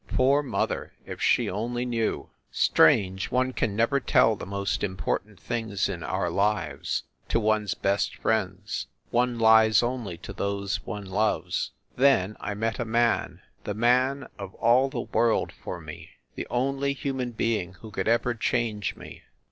Poor mother ! if she only knew ! Strange, one can never tell the most important things in our lives to one s best friends! One lies only to those one loves. ... Then, I met a man the man of all the world for me the only human being who could ever change me.